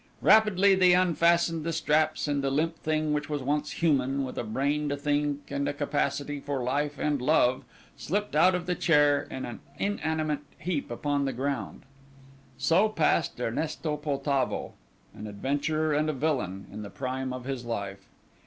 Rapidly they unfastened the straps, and the limp thing which was once human, with a brain to think and a capacity for life and love, slipped out of the chair in an inanimate heap upon the ground. So passed Ernesto Poltavo, an adventurer and a villain, in the prime of his life.